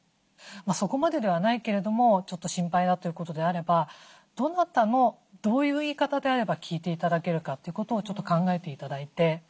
そこまでではないけれどもちょっと心配だということであればどなたのどういう言い方であれば聞いて頂けるかということをちょっと考えて頂いて。